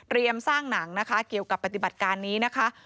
เตรียมสร้างหนังเกี่ยวกับปฏิบัติการนี้นะคะ